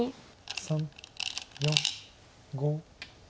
３４５。